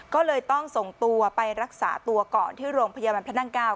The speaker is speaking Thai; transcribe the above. ก็เลยต้องส่งตัวไปรักษาตัวก่อนที่โรงพยาบาลพระนั่ง๙